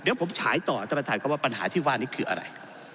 เดี๋ยวผมฉายต่อท่านประธานครับว่าปัญหาที่ว่านี้คืออะไร